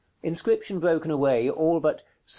Inscription broken away, all but "ST.